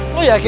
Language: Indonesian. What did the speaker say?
boleh ga lah